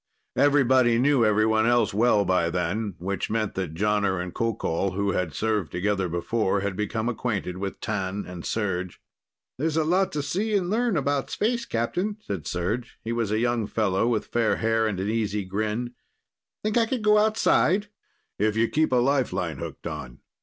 Everybody knew everyone else well by then, which meant that Jonner and Qoqol, who had served together before, had become acquainted with T'an and Serj. "There's a lot to see and learn about space, Captain," said Serj. He was a young fellow, with fair hair and an easy grin. "Think I could go outside?" "If you keep a lifeline hooked on.